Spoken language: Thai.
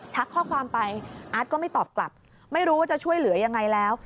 ข้อความไปอาร์ตก็ไม่ตอบกลับไม่รู้ว่าจะช่วยเหลือยังไงแล้ว